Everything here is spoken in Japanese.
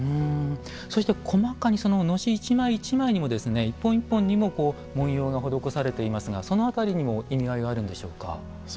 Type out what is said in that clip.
そして細かにその熨斗１枚１枚にも１本１本にも文様が施されていますがそのあたりにも意味合いがあるんでしょうか。